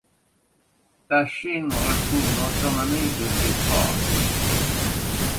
La Chine retrouve l’autonomie de ses ports.